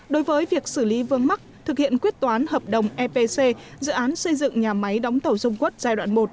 đối với việc xử lý vương mắc thực hiện quyết toán hợp đồng epc dự án xây dựng nhà máy đóng tàu dung quất giai đoạn một